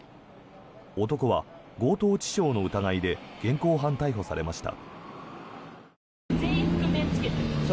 男は強盗致傷の疑いで現行犯逮捕されました。